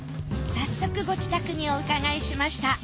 早速ご自宅にお伺いしました。